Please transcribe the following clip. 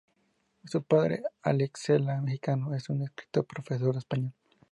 Su padre, Alex Sela, mexicano, es un escritor y profesor de español.